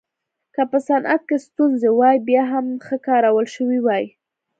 که په صنعت کې ستونزې وای بیا هم ښه کارول شوې وای.